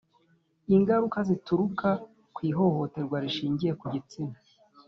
ingaruka zituruka ku ihohoterwa rishingiye ku gitsina